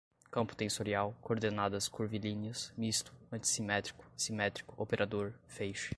campo tensorial, coordenadas curvilíneas, misto, antissimétrico, simétrico, operador, feixe